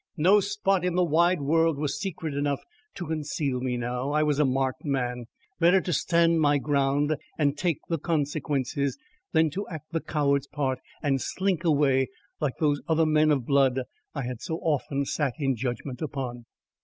No spot in the wide world was secret enough to conceal me now. I was a marked man. Better to stand my ground, and take the consequences, than to act the coward's part and slink away like those other men of blood I had so often sat in judgment upon.